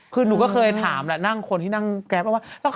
คือหนูก็เคยถามคนที่นั่งแกรปว่า